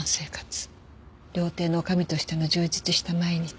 料亭の女将としての充実した毎日。